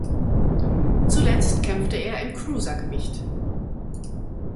Zuletzt kämpfte er im Cruisergewicht.